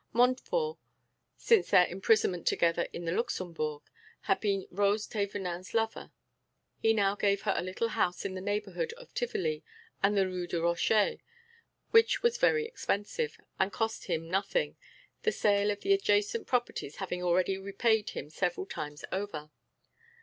Montfort, since their imprisonment together in the Luxembourg, had been Rose Thévenin's lover; he now gave her a little house in the neighbourhood of Tivoli and the Rue du Rocher, which was very expensive, and cost him nothing, the sale of the adjacent properties having already repaid him several times over.